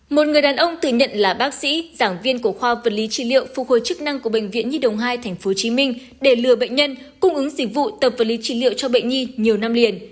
một người đàn ông tự nhận là bác sĩ giảng viên của khoa vật lý trị liệu phục hồi chức năng của bệnh viện nhi đồng hai tp hcm để lừa bệnh nhân cung ứng dịch vụ tập vật lý trị liệu cho bệnh nhi nhiều năm liền